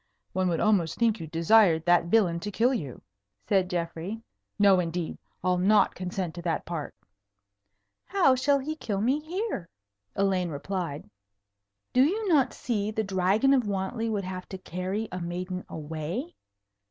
"One would almost think you desired that villain to kill you," said Geoffrey. "No, indeed. I'll not consent to that part." "How shall he kill me here?" Elaine replied. "Do you not see the Dragon of Wantley would have to carry a maiden away?